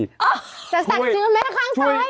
จะศักดิ์ชื่อแม่ข้างซ้าย